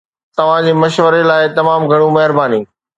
توهان جي مشوري لاء تمام گهڻو مهرباني